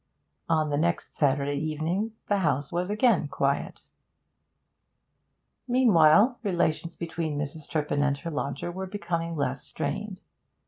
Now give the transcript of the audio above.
On the next Saturday evening the house was again quiet. Meanwhile, relations between Mrs. Turpin and her lodger were becoming less strained.